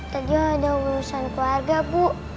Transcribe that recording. tadi ada urusan keluarga bu